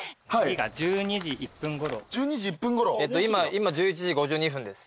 今１１時５２分です。